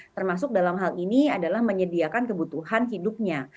termasuk dalam hal ini adalah menyediakan kebutuhan hidupnya